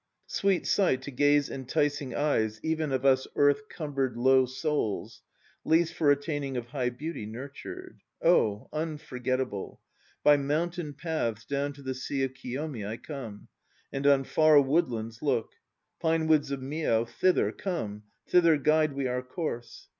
Sweet sight, to gaze enticing Eyes even of us earth cumbered Low souls, least for attaining Of high beauty nurtured. Oh unforgettable! By mountain paths Down to the sea of Kiyomi I come And on far woodlands look, Pine woods of Mio, thither Come, thither guide we our course.